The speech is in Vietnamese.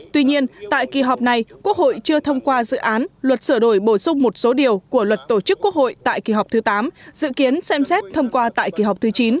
tuy nhiên tại kỳ họp này quốc hội chưa thông qua dự án luật sửa đổi bổ sung một số điều của luật tổ chức quốc hội tại kỳ họp thứ tám dự kiến xem xét thông qua tại kỳ họp thứ chín